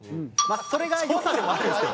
それが良さでもあるんですけど。